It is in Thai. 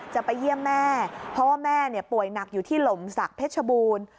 จะไปเยี่ยมแม่เพราะว่าแม่ป่วยหนักอยู่ที่หล่มศักดิ์เพชรบูรณ์